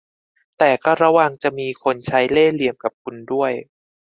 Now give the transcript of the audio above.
แต่ก็ระวังจะมีคนใช้เล่ห์เหลี่ยมกับคุณด้วย